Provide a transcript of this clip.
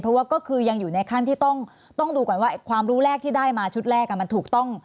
เพราะว่าก็คือยังอยู่ในขั้นที่ต้องดูก่อนว่าความรู้แรกที่ได้มาชุดแรกมันถูกต้อง